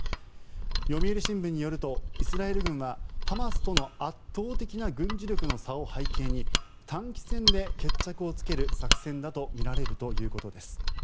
読売新聞によるとイスラエル軍はハマスとの圧倒的な軍事力の差を背景に短期戦で決着をつける作戦だとみられるということです。